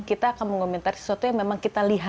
kita akan mengomentari sesuatu yang memang kita lihat